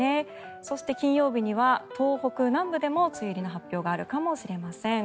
そして、金曜日には東北南部でも梅雨入りの発表があるかもしれません。